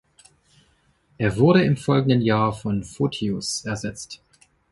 Er wurde im folgenden Jahr von Photios ersetzt.